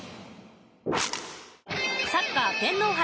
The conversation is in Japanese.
サッカー天皇杯。